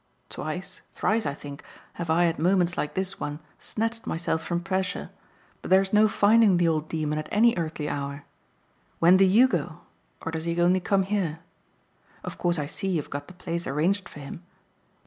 Twice, thrice I think, have I at moments like this one snatched myself from pressure; but there's no finding the old demon at any earthly hour. When do YOU go or does he only come here? Of course I see you've got the place arranged for him.